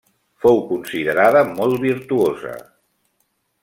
Fou considerada molt virtuosa.